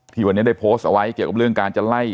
วันนี้ได้โพสต์เอาไว้เกี่ยวกับเรื่องการจะไล่